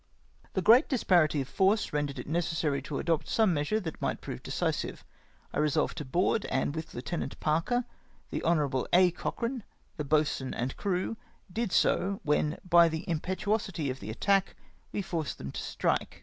" The great disparity of force rendered it necessary to adopt some measure that might prove decisive. I resolved to board, and with Lieut. Parker, the Hon. A. Cochrane, the boatswain and crew, did so, when, by the impetuosity of the attack, we forced them to strike.